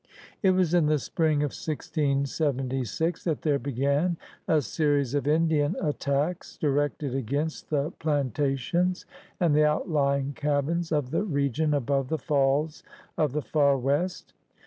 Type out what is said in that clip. It was in the spring of 1676 that there began a series of Indian attacks directed against the plan tations and the outlying cabins of the region above the Falls of the Far West.